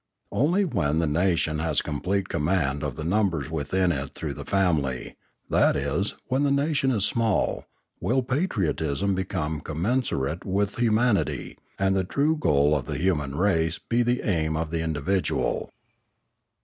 Only when the nation has complete command of the numbers within it through the family, that is, when the nation is small, will patriotism become commensurate with humanity, and the true goal of the human race be the aim of the individual.